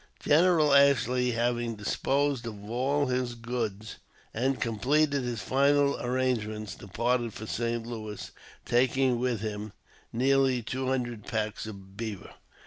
General Ashley, having disposed of all his goods and com pleted his final arrangements, departed for St. Louis, taking with him nearly two hundred packs of beaver.